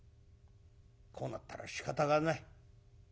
こうなったらしかたがない。